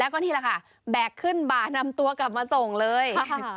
ขึ้นบานำตัวกลับมาส่งเลย